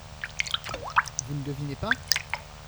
Vous ne devinez pas ?